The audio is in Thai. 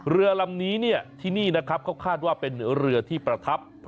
เรือลำนี้ที่นี่นะครับเขาคาดว่าเป็นเรือที่ประทับ